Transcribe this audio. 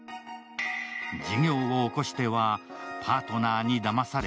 事業を興しては、パートナーにだまされ、